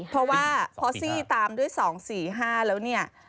เพราะว่าพอซี่ตามด้วย๒๔๕แล้วเนี่ย